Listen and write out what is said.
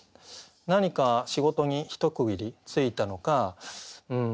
何か仕事に一区切りついたのか退職するのか。